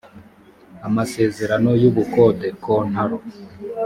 amasezerano y ubukode kontaro